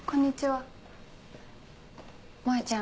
萌ちゃん